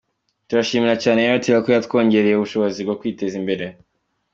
Turashimira cyane Airtel ko yatwongereye ubushobozi bwo kwiteza imbere”.